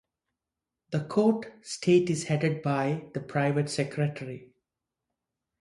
The court state is headed by the private secretary.